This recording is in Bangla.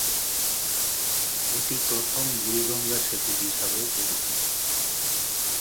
এটি প্রথম বুড়িগঙ্গা সেতু হিসাবেও পরিচিত।